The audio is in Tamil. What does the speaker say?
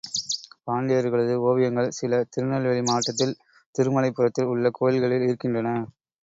பாண்டியர்களது ஓவியங்கள் சில திருநெல்வேலி மாவட்டத்தில் திருமலைப்புரத்தில் உள்ள கோயிலில் இருக்கின்றன.